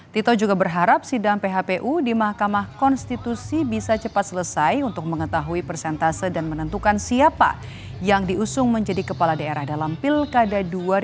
tito juga berharap sidang phpu di mahkamah konstitusi bisa cepat selesai untuk mengetahui persentase dan menentukan siapa yang diusung menjadi kepala daerah dalam pilkada dua ribu dua puluh